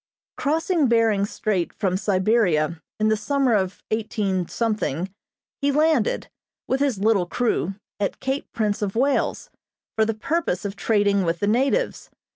Crossing Behring Strait from Siberia in the summer of 18 , he landed, with his little crew, at Cape Prince of Wales, for the purpose of trading with the natives.